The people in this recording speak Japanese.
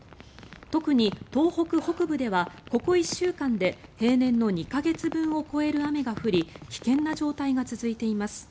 特に東北北部ではここ１週間で平年の２か月分を超える雨が降り危険な状態が続いています。